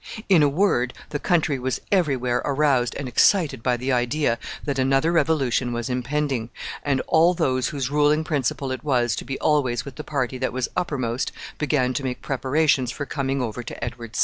[F] In a word, the country was every where aroused and excited by the idea that another revolution was impending, and all those whose ruling principle it was to be always with the party that was uppermost began to make preparations for coming over to Edward's side.